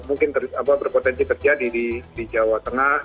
mungkin berpotensi terjadi di jawa tengah